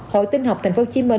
hội tinh học tp hcm